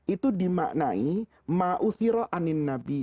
itu dimaknai ma'uthiro anin nabi